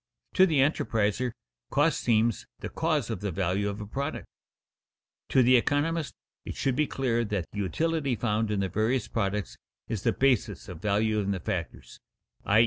To the enterpriser, cost seems the cause of the value of a product. To the economist it should be clear that the utility found in the various products is the basis of value in the factors, _i.